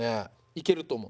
いけると思う。